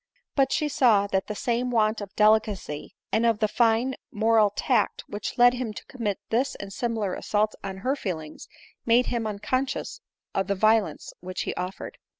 But she saw that the same want of delicacy, and of that fine moral tact which led him to commit this and similar assaults on her feelings, made him unconscious of the violence which he offered.